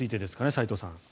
斎藤さん。